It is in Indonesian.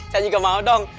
saya juga mau dong